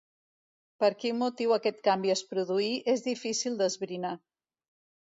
Per quin motiu aquest canvi es produí és difícil d’esbrinar.